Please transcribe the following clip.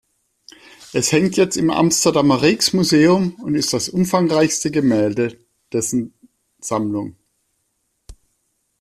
Es hängt jetzt im Amsterdamer Rijksmuseum und ist das umfangreichste Gemälde dessen Sammlung.